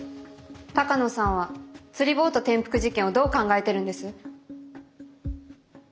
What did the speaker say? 鷹野さんは釣りボート転覆事件をどう考えてるんです？